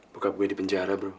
bokap saya di penjara bro